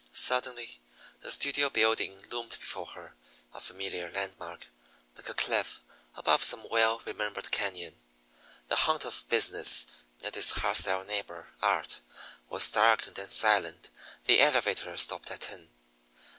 Suddenly the studio building loomed before her, a familiar landmark, like a cliff above some well remembered cañon. The haunt of business and its hostile neighbor, art, was darkened and silent. The elevator stopped at ten.